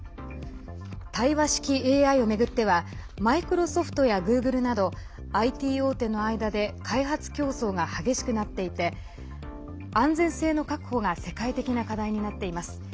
対話式ＡＩを巡ってはマイクロソフトやグーグルなどＩＴ大手の間で開発競争が激しくなっていて安全性の確保が世界的な課題になっています。